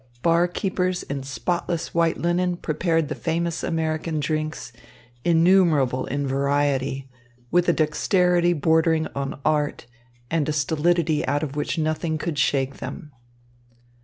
Bar keepers in spotless white linen prepared the famous American drinks, innumerable in variety, with a dexterity bordering on art and a stolidity out of which nothing could shake them.